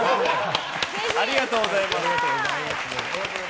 ありがとうございます。